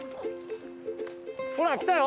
ほらきたよ！